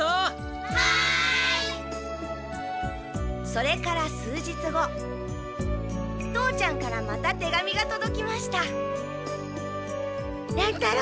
それから数日後父ちゃんからまた手紙がとどきました乱太郎。